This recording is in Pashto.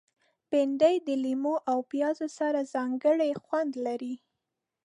بېنډۍ د لیمو او پیاز سره ځانګړی خوند لري